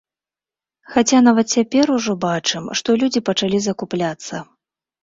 Хаця нават цяпер ужо бачым, што людзі пачалі закупляцца.